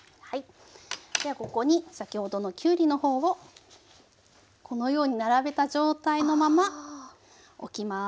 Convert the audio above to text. ではここに先ほどのきゅうりの方をこのように並べた状態のまま置きます。